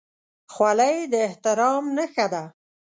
خولۍ د احترام نښه ده.